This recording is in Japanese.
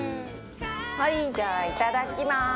はいじゃあいただきまーす！